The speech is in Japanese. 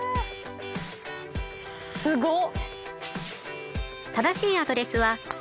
すごっ。